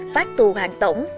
phát tù hàng tổng